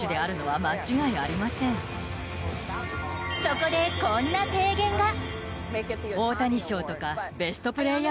そこで、こんな提言が。